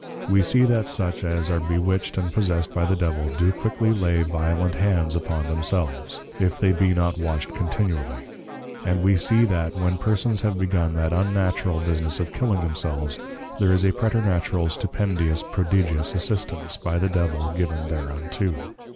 We see that such as are Bewitched and Possessed by the Devil, do quickly lay violent hands upon themselves, if they be not watched continually, and we see that when persons have begun that Unnatural business of killing themselves, there is a Preternatural Stupendious Prodigious Assistance, by the Devil given thereunto.